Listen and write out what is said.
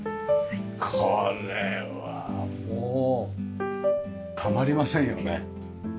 これはもうたまりませんよね。